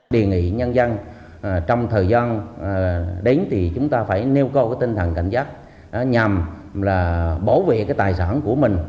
đề nghị nhân dân trong thời gian đến thì chúng ta phải nêu cao tinh thần cảnh giác nhằm bảo vệ cái tài sản của mình